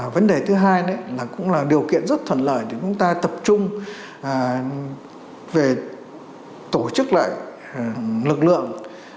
vấn đề thứ hai là cũng là điều kiện rất thuận lợi để chúng ta tập trung về tổ chức lại lực lượng